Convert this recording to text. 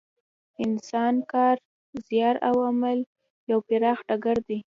انسان کار، زیار او عمل یو پراخ ډګر دی.